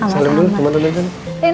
salam sama teman teman